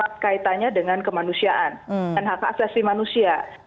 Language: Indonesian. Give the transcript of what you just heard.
terkaitannya dengan kemanusiaan dan hak aksesi manusia